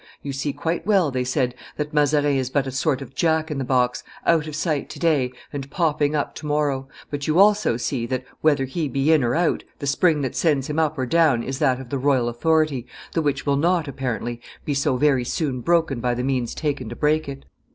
"You see quite well," they said, "that Mazarin is but a sort of jack in the box, out of sight to day and popping up to morrow; but you also see that, whether he be in or out, the spring that sends him up or down is that of the royal authority, the which will not, apparently, be so very soon broken by the means taken to break it.